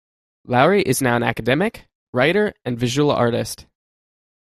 Lowry is now an academic, writer and visual artist.